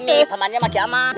itu dia min